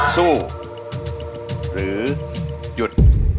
สู้หรือหยุด